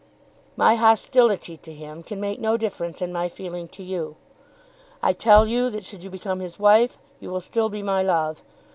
"My hostility to him can make no difference in my feeling to you. I tell you that should you become his wife you will still be my love.